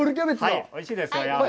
おいしいですよ。